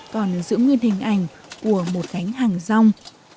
còn giữ nguyên hình ảnh của một cánh hàng rong